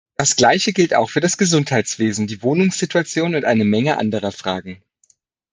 Das Gleiche gilt auch für das Gesundheitswesen, die Wohnungssituation und eine Menge anderer Fragen.